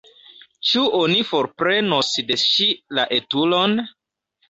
Ĉu oni forprenos de ŝi la etulon?